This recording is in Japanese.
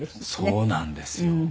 そうなんですよ。